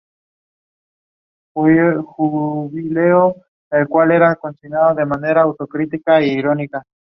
He graduated from Jeju National University.